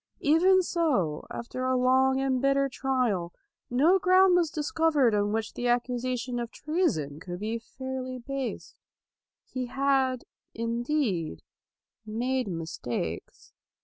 Even so, after a long and bitter trial, no ground was discovered on which the accusation of treason could be fairly based. He had, indeed, made mistakes.